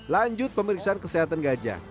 lanjut pemeriksaan kesehatan gajah